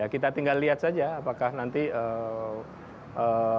kita tinggal lihat saja apakah nanti